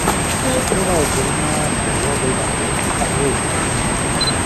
ژبه او ټولنه پر یو بل باندې اغېز لري.